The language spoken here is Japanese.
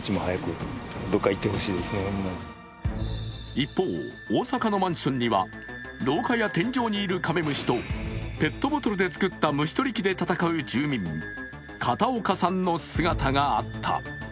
一方、大阪のマンションには廊下や天井にいるカメムシとペットボトルで作った虫取り機で戦う住民片岡さんの姿があった。